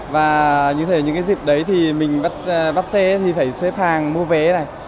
và những cái dịp đấy thì mình bắt xe thì phải xếp hàng mua vé này